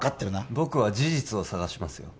僕は事実を探しますよ